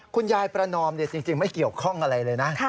คุณยายประนอมจริงไม่เกี่ยวข้องอะไรเลยนะ